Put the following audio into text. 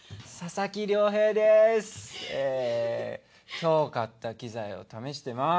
今日買った機材を試してます。